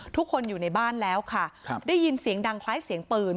อยู่ในบ้านแล้วค่ะได้ยินเสียงดังคล้ายเสียงปืน